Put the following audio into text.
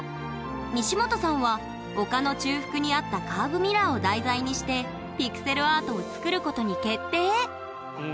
西本さんは丘の中腹にあったカーブミラーを題材にしてピクセルアートを作ることに決定！